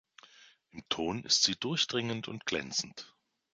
Im Ton ist sie durchdringend und glänzend.